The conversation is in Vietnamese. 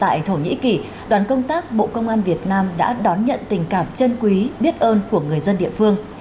hoặc quá nhiều thành viên thực hiện nhiệm vụ tại thổ nhĩ kỳ đoàn công tác bộ công an việt nam đã đón nhận tình cảm chân quý biết ơn của người dân địa phương